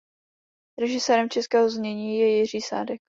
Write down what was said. Režisérem českého znění je Jiří Sádek.